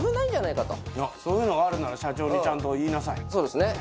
そういうのがあるなら社長にちゃんと言いなさい。